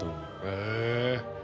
へえ。